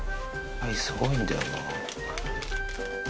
雷、すごいんだよな。